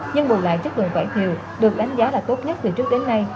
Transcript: nhưng bù lại chất lượng vải thiều được đánh giá là tốt nhất từ trước đến nay